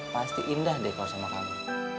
pasti indah deh kalau sama kami